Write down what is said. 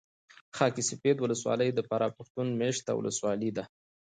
خاک سفید ولسوالي د فراه پښتون مېشته ولسوالي ده